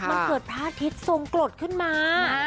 มันเกิดพระอาทิตย์ทรงกรดขึ้นมา